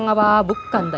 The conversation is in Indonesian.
kita harus balas kantor